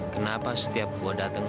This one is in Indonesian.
kenapa setiap gua datang